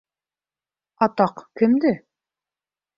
Атаҡ, кемде?